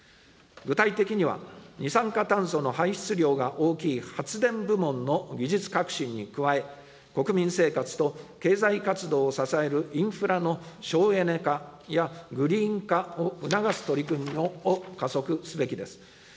具体的には、二酸化炭素の排出量が大きい発電部門の技術革新に加え、国民生活と経済活動を支えるインフラの省エネ化やグリーン化を促す取り組みを加速すべきです。